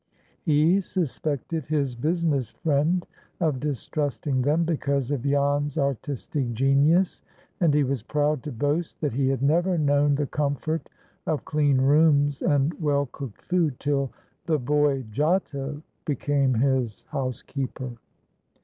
He suspected his business friend of distrusting them because of Jan's artistic genius, and he was proud to boast that he had never known the comfort of clean rooms and well cooked food till "the boy Giotto" became his housekeeper.